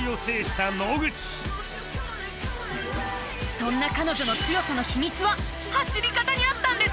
そんな彼女の強さの秘密は走り方にあったんです。